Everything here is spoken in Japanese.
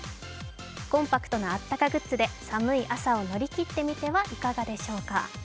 コンパクトなあったかグッズで寒い朝を乗り切ってみてはいかがでしょうか。